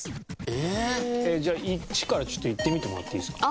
えっじゃあ１からちょっと言ってみてもらっていいですか？